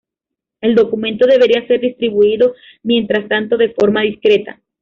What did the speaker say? El documento debería ser distribuido mientras tanto de forma discreta.